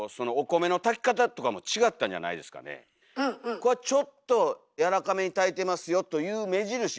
これはちょっとやわらかめに炊いてますよという目印。